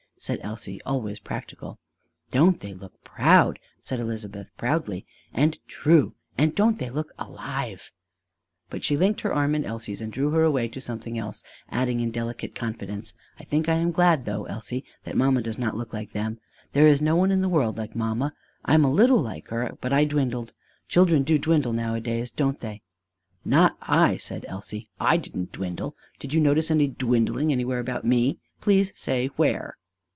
said Elsie, always practical. "Don't they look proud!" said Elizabeth proudly, "and true! and don't they look alive!" But she linked her arm in Elsie's and drew her away to something else, adding in delicate confidence: "I think I am glad, though, Elsie, that mamma does not look like them. There is no one in the world like mamma! I am a little like her, but I dwindled. Children do dwindle nowadays, don't they?" "Not I," said Elsie. "I didn't dwindle. Do you notice any dwindling anywhere about me? Please say where."